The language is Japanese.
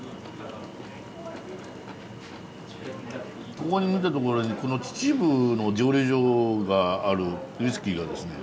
ここに見たところにこの秩父の蒸留所があるウイスキーがですね